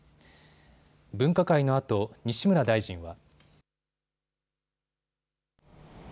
分科会のあと、西村大臣は。